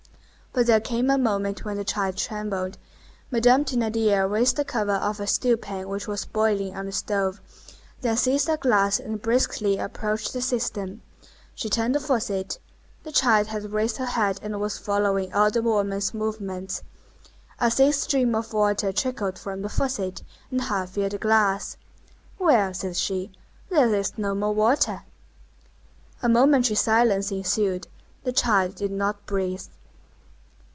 But there came a moment when the child trembled; Madame Thénardier raised the cover of a stew pan which was boiling on the stove, then seized a glass and briskly approached the cistern. She turned the faucet; the child had raised her head and was following all the woman's movements. A thin stream of water trickled from the faucet, and half filled the glass. "Well," said she, "there is no more water!" A momentary silence ensued. The child did not breathe.